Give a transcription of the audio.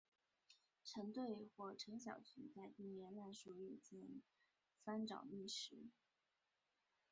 成对或成小群在地面烂树叶间翻找觅食。